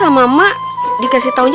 kau mau ke sini sih rang